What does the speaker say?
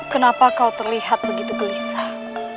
kenapa kau terlihat begitu gelisah